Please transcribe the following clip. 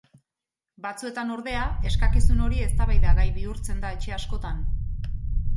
Batzuetan, ordea, eskakizun hori eztabaidagai bihurtzen da etxe askotan.